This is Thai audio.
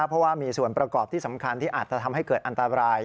เพราะว่ามีส่วนประกอบที่สำคัญที่อาจจะทำให้เกิดอันตราย